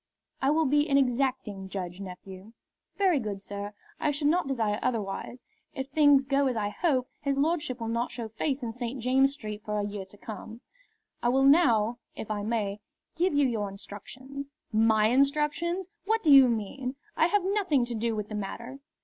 "I will be an exacting judge, nephew." "Very good, sir; I should not desire otherwise. If things go as I hope, his lordship will not show face in St. James's Street for a year to come. I will now, if I may, give you your instructions." "My instructions! What do you mean? I have nothing to do with the matter."